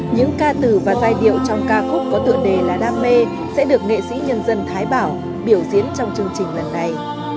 những ca từ và giai điệu trong ca khúc có tựa đề là đam mê sẽ được nghệ sĩ nhân dân thái bảo biểu diễn trong chương trình lần này